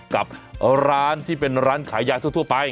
กับร้านที่เป็นร้านขายยาทั่วไป